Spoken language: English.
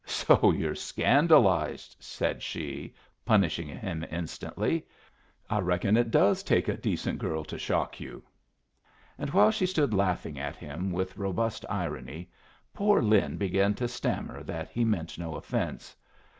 "So you're scandalized," said she, punishing him instantly. "I reckon it does take a decent girl to shock you." And while she stood laughing at him with robust irony, poor Lin began to stammer that he meant no offence.